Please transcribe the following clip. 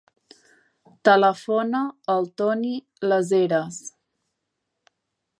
Telefona al Toni Las Heras.